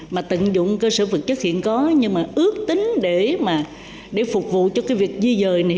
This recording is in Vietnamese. mà tận dụng cơ sở vật chất hiện có nhưng mà ước tính để mà để phục vụ cho cái việc di dời này